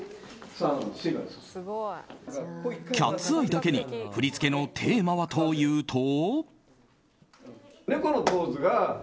「ＣＡＴ’ＳＥＹＥ」だけに振り付けのテーマはというと。